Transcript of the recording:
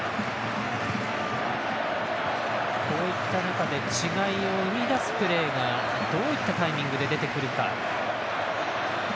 こういった中で違いを生み出すプレーがどういったタイミングで出てくるか。